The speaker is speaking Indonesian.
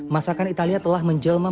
masakan italia telah menjelma